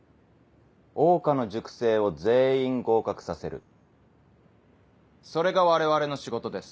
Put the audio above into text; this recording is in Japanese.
桜花の塾生を全員合格させるそれが我々の仕事です。